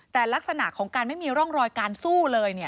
แต่ลักษณะของการไม่มีร่องรอยการสู้เลย